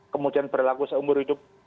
kemudian berlaku seumur ujung tahun